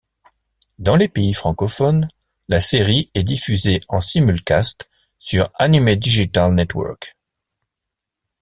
Dans les pays francophones, la série est diffusée en simulcast sur Anime Digital Network.